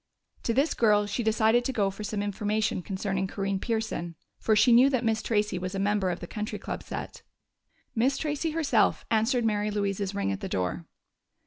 To this girl she decided to go for some information concerning Corinne Pearson, for she knew that Miss Tracey was a member of the Country Club set. Miss Tracey herself answered Mary Louise's ring at the door.